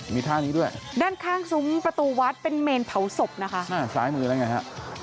มีท่านี้ด้วยด้านข้างซุ้มประตูวัดเป็นเมนเผาศพนะคะอ่าซ้ายมือแล้วไงฮะ